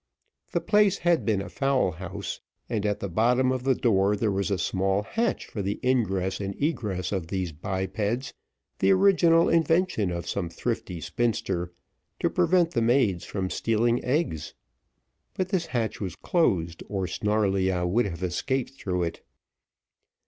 The place had been a fowl house, and, at the bottom of the door, there was a small hatch for the ingress and egress of these bipeds, the original invention of some thrifty spinster, to prevent the maids from stealing eggs. But this hatch was closed, or Snarleyyow would have escaped through it.